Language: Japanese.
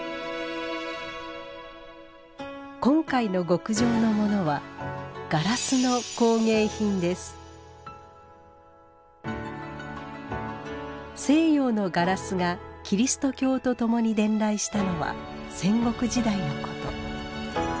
今回の極上のモノは西洋のガラスがキリスト教とともに伝来したのは戦国時代のこと。